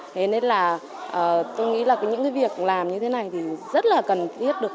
thế nên là tôi nghĩ là những cái việc làm như thế này thì rất là cần thiết được